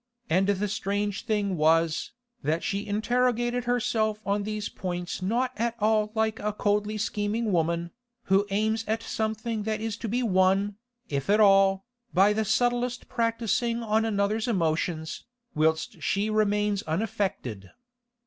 And the strange thing was, that she interrogated herself on these points not at all like a coldly scheming woman, who aims at something that is to be won, if at all, by the subtlest practising on another's emotions, whilst she remains unaffected.